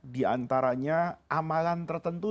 diantaranya amalan tertentu